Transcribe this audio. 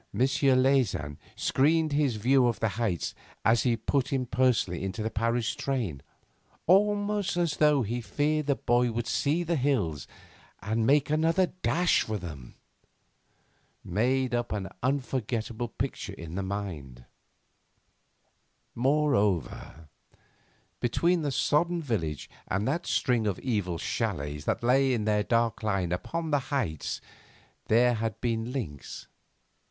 Leysin screened his view of the heights as he put him personally into the Paris train almost as though he feared the boy would see the hills and make another dash for them! made up an unforgettable picture in the mind. Moreover, between the sodden village and that string of evil châlets that lay in their dark line upon the heights there had been links.